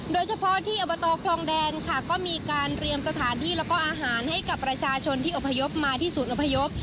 โดยเฉพาะที่อบตคลองแดนค่ะก็มีการเตรียมสถานที่แล้วก็อาหารให้กับประชาชนที่อพยพมาที่ศูนย์อพยพ